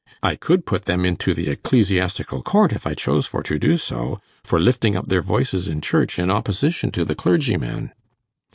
I could put them into the Ecclesiastical Court, if I chose for to do so, for lifting up their voices in church in opposition to the clergyman.